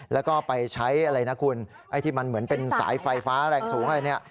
แล้วก็ไปใช้อะไรนะคุณไอ้ที่มันเหมือนเป็นสายไฟฟ้าแรงสูงอะไรเนี่ย